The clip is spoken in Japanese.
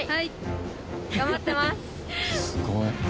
すごい。